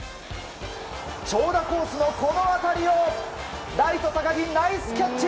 長打コースのこの当たりをライト高木、ナイスキャッチ！